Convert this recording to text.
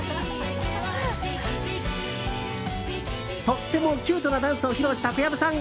とってもキュートなダンスを披露した小籔さん。